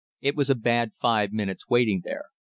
It was a bad five minutes waiting there.